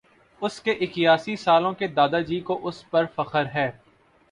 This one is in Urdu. اُس کے اِکیاسی سالوں کے دادا جی کو اُس پر فخر ہے